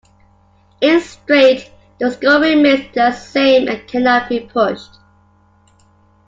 In 'straight', the score remains the same and cannot be pushed.